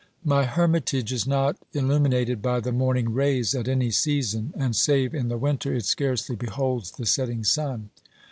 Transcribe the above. My hermitage is not illuminated by the morning rays at any season, and save in the winter it scarcely beholds the setting sun.